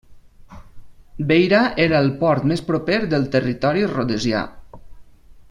Beira era el port més proper de territori rhodesià.